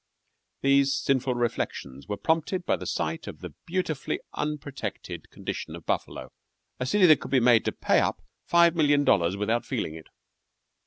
These sinful reflections were prompted by the sight of the beautifully unprotected condition of Buffalo a city that could be made to pay up five million dollars without feeling it.